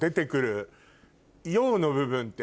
の部分って。